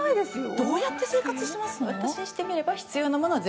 どうやって生活しています？